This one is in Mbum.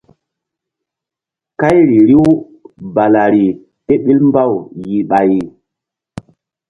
Kayri riw balari ké ɓil mbaw yih ɓay.